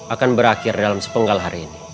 akan berakhir dalam sepenggal hari ini